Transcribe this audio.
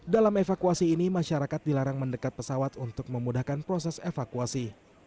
dalam evakuasi ini masyarakat dilarang mendekat pesawat untuk memudahkan proses evakuasi